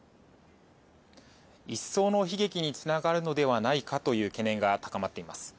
一層の悲劇につながるのではないかという懸念が高まっています。